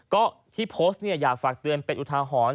ก็ที่โพสต์เนี่ยอยากฝากเตือนเป็นอุทาหรณ์